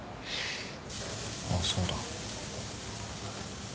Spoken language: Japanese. あっそうだ。